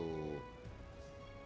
mungkin di sekitar situ